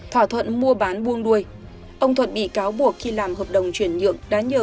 thỏa thuận mua bán buông đuôi ông thuận bị cáo buộc khi làm hợp đồng chuyển nhượng đã nhờ